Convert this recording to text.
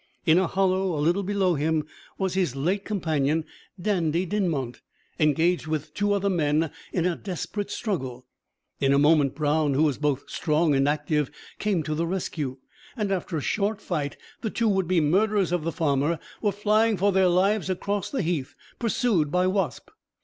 In a hollow, a little below him, was his late companion Dandie Dinmont, engaged with two other men in a desperate struggle. In a moment Brown, who was both strong and active, came to the rescue; and, after a short fight, the two would be murderers of the farmer were flying for their own lives across the heath, pursued by Wasp.